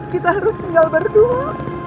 kita harus tinggal berdua